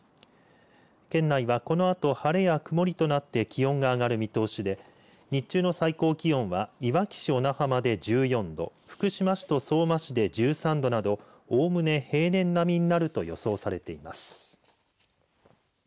県内はこのあと晴れや曇りとなって気温が上がる見通しで日中の最高気温はいわき市小名浜で１４度福島市と相馬市で１３度などおおむね平年並みになると予想されています。